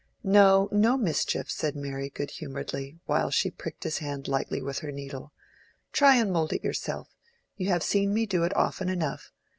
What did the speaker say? "No, no, Mischief!" said Mary, good humoredly, while she pricked his hand lightly with her needle. "Try and mould it yourself: you have seen me do it often enough.